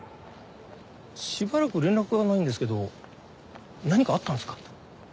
しばらく連絡がないんですけど何かあったんですか？